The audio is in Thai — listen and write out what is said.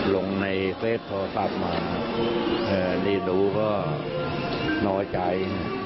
ลงในเฟสพ่อตามมานี่ดูก็น้อยใจ